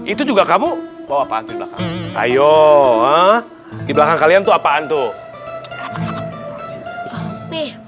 itu juga kamu bawa pantun belakang ayo di belakang kalian tuh apaan tuh